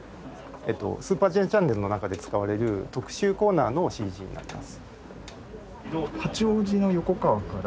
『スーパーＪチャンネル』の中で使われる特集コーナーのＣＧになります。